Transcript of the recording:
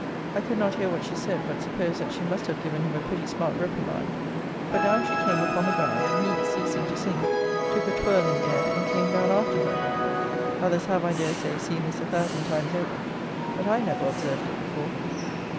I could not hear what she said; but supposed that she must have given him a pretty smart reprimand; for down she came upon the ground, and he, ceasing to sing, took a twirl in the air, and came down after her. Others have, I dare say, seen this a thousand times over; but I never observed it before.